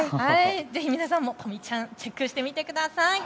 ぜひ皆さんも、とみちゃんチェックしてみてください。